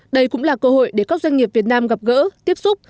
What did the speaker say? đây cũng là cơ hội để các doanh nghiệp việt nam gặp gỡ tiếp xúc